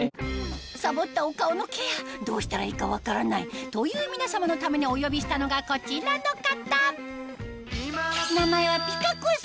サボったお顔のケアどうしたらいいか分からないという皆さまのためにお呼びしたのがこちらの方名前はピカ子さん